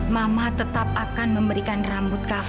mama tetap akan memberikan rambut kafe